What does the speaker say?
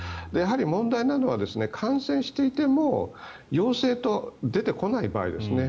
問題なのは感染していても陽性と出てこない場合ですね。